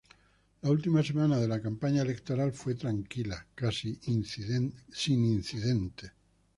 La última semana de la campaña electoral fue tranquila, casi sin incidentes.